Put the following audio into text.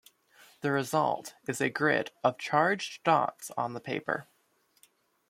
The result is a grid of charged dots on the paper.